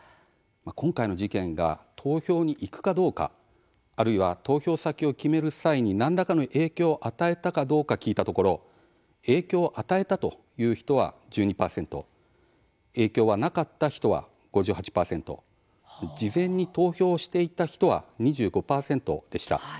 今回の事件が投票に行くかどうかあるいは、投票先を決める際に何らかの影響を与えたかどうか聞いたところ影響を与えたという人は１２％影響はなかった人は５８％事前に投票していた人は２５％でした。